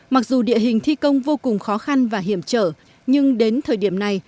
mặc dù địa hình thi công vô cùng khó khăn và hiểm trở nhưng đến thời điểm này